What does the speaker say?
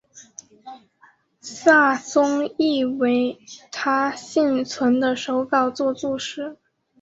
萨松亦为他幸存的手稿作注释。